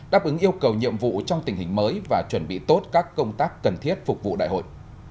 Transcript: đáp ứng yêu cầu nhiệm vụ trong tình hình mới và chuẩn bị tốt các công tác cần thiết phục vụ đại hội